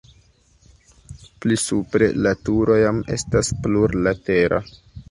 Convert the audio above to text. Pli supre la turo jam estas plurlatera.